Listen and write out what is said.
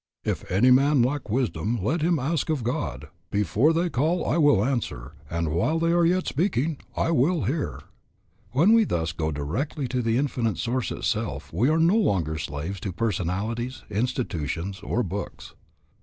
"If any man lack wisdom let him ask of God." "Before they call I will answer, and while they are yet speaking, I will hear." When we thus go directly to the Infinite Source itself we are no longer slaves to personalities, institutions, or books.